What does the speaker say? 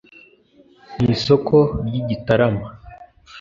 Mu isoko ry' i Gitarama